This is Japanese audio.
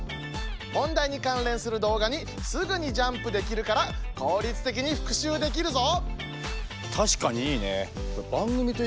問題に関連する動画にすぐにジャンプできるから効率的に復習できるぞ！